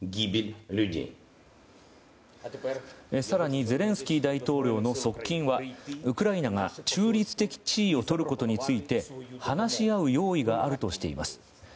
更にゼレンスキー大統領の側近はウクライナが中立的地位をとることについて話し合う用意があるとしています。